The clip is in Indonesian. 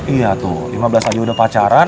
iya tuh lima belas aja udah pacaran